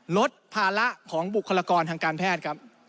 ลดภาระของบุคลากรทางการแพทย์ครับ